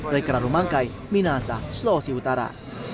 dari kerala mangkai minahasa sulawesi utara